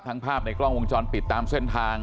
ภาพในกล้องวงจรปิดตามเส้นทาง